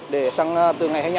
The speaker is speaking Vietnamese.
để từ ngày hai mươi năm